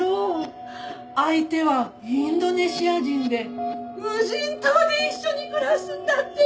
相手はインドネシア人で無人島で一緒に暮らすんだってよ！